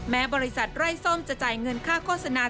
บริษัทไร่ส้มจะจ่ายเงินค่าโฆษณา